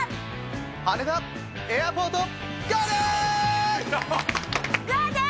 羽田エアポートガーデン！